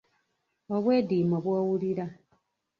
Obwediimo bw’owulira.